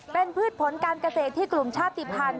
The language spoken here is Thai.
เป็นพืชผลการเกษตรที่กลุ่มชาติภัณฑ์